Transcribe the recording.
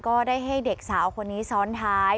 ก็ได้ให้เด็กสาวคนนี้ซ้อนท้าย